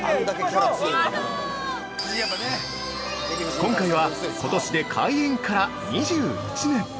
◆今回は、今年で開園から２１年。